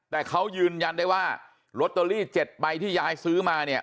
แต่เขายืนยันได้ว่าลอตเตอรี่๗ใบที่ยายซื้อมาเนี่ย